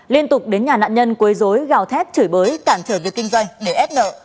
liên tục đến nhà nạn nhân quấy dối gào thép chửi bới cản trở việc kinh doanh để ép nợ